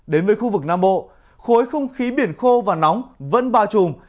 đến với khu vực nam bộ khối không khí biển khô và nóng vẫn bao trùm